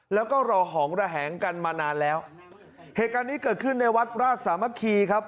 แล้วก็รอหองระแหงกันมานานแล้วเหตุการณ์นี้เกิดขึ้นในวัดราชสามัคคีครับ